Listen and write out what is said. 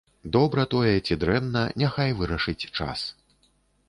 Добра тое ці дрэнна, няхай вырашыць час.